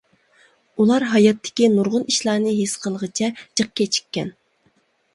ئۇلار ھاياتتىكى نۇرغۇن ئىشلارنى ھېس قىلغىچە جىق كېچىككەن!